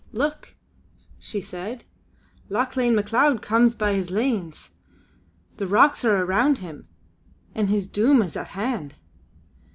"Look!" she said, "Lauchlane Macleod comes by his lanes. The rocks are around him, and his doom is at hand!"